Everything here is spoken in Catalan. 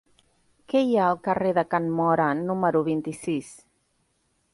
Què hi ha al carrer de Can Móra número vint-i-sis?